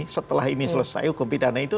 setelah ini selesai hukum pidana itu